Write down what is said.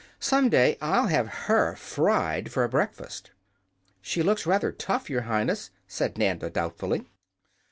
"Someday I'll have her fried for breakfast." "She looks rather tough, Your Highness," said Nanda, doubtfully.